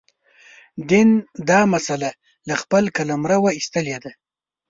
دین دا مسأله له خپل قلمروه ایستلې ده.